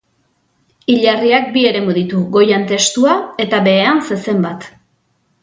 Hilarriak bi eremu ditu, goian testua eta behean zezen bat.